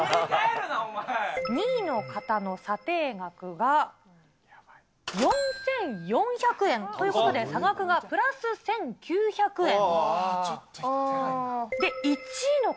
２位の方の査定額が、４４００円ということで、差額がプラス１９００円。